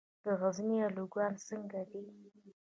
د غزني الوګان څنګه دي؟